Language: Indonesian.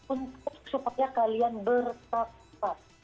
untuk supaya kalian bersafah